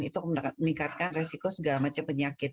itu meningkatkan resiko segala macam penyakit